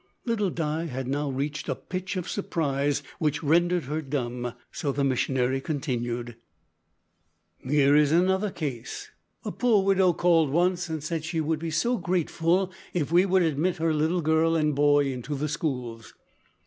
Little Di had now reached a pitch of surprise which rendered her dumb, so the missionary continued: "Here is another case. A poor widow called once, and said she would be so grateful if we would admit her little girl and boy into the schools.